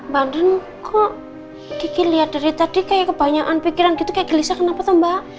badan kok diki lihat dari tadi kayak kebanyakan pikiran gitu kayak gelisah kenapa tuh mbak